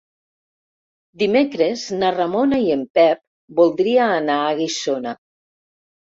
Dimecres na Ramona i en Pep voldria anar a Guissona.